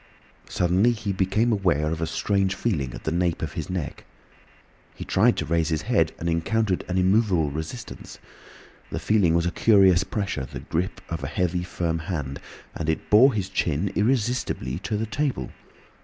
Suddenly he became aware of a strange feeling at the nape of his neck. He tried to raise his head, and encountered an immovable resistance. The feeling was a curious pressure, the grip of a heavy, firm hand, and it bore his chin irresistibly to the table.